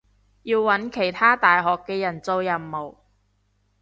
要搵其他大學嘅人做任務